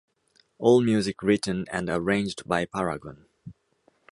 All music written and arranged by Paragon.